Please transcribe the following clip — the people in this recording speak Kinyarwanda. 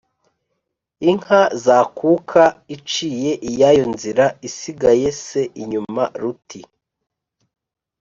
inka zakuka, iciye iyayo nzira, isigaye se inyuma, ruti:"